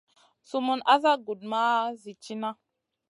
Sumun asa gudmaha zi tiyna.